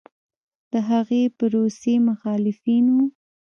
د هغې پروسې مخالفین و